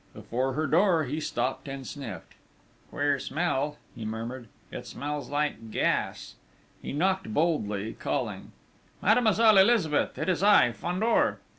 Before her door he stopped and sniffed. "Queer smell!" he murmured. "It smells like gas!" He knocked boldly, calling: "Mademoiselle Elizabeth! It is I, Fandor!"